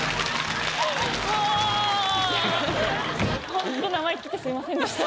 ホント生意気言ってすいませんでした。